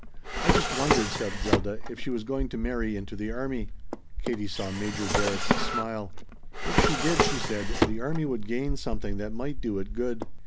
"I just wondered," said Zelda, "if she was going to marry into the army." Katie saw Major Darrett's smile. "If she did," she said, "the army would gain something that might do it good."